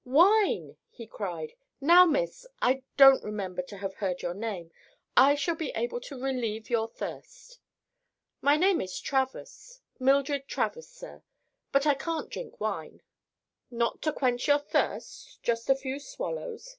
"Wine!" he cried. "Now, Miss—I don't remember to have heard your name—I shall be able to relieve your thirst." "My name is Travers—Mildred Travers, sir; but I can't drink wine." "Not to quench your thirst—just a few swallows?"